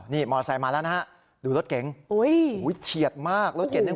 นี่มอเตอร์ไซค์มาแล้วนะฮะดูรถเก๋งเฉียดมากรถเก่งเนี่ย